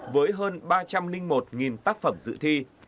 với hơn ba trăm linh một tác phẩm dự thi